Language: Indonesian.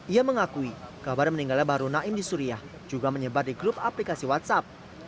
ia mengakui kabar meninggalnya bahru naim di suriah juga menyebar di grup aplikasi whatsapp